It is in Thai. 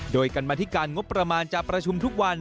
โดยกรรมธิการงบประมาณจะประชุมทุกวัน